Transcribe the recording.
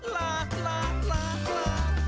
ลาลาลาลา